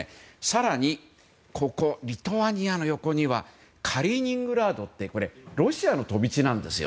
更にリトアニアの横にはカリーニングラードってこれ、ロシアの飛び地なんです。